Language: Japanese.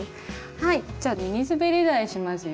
はいじゃあミニすべり台しますよ。